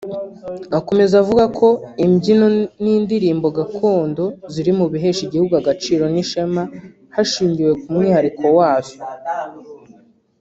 Akomeza avuga ko imbyino n’indirimbo gakondo ziri mu bihesha igihugu agaciro n’ishema hashingiwe ku mwihariko wazo